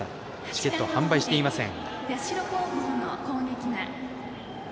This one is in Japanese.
チケット販売していません。